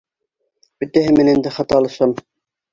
Бөтәһе менән дә хат алышам.